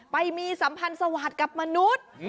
ไปมีสัมพันธ์สวัสดิ์กับมนุษย์